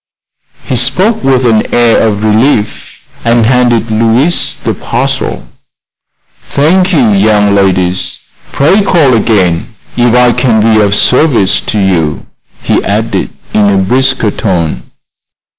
He spoke with an air of relief, and handed Louise the parcel. "Thank you, young ladies. Pray call again if I can be of service to you," he added, in a brisker tone.